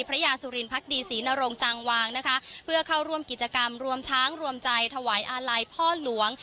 พระยาสุรินพักดีศรีนรงจางวางนะคะเพื่อเข้าร่วมกิจกรรมรวมช้างรวมใจถวายอาลัยพ่อหลวง